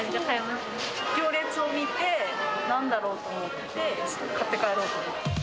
行列を見て、なんだろうと思って、買って帰ろうと思って。